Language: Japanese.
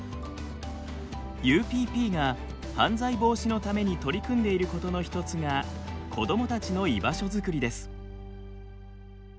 ＵＰＰが犯罪防止のために取り組んでいることの一つが子どもたちの居場所作りです。